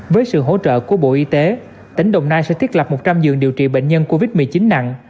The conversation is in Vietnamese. với sự hỗ trợ của bộ y tế tỉnh đồng nai sẽ thiết lập một trăm linh giường điều trị bệnh nhân covid một mươi chín nặng